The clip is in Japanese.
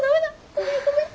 ごめんごめん。